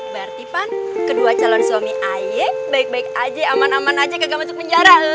berarti kan kedua calon suami ayek baik baik aja aman aman aja kagak masuk penjara